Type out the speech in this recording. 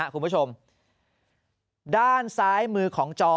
คุณผู้ชมด้านซ้ายมือของจอ